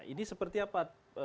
ini seperti apa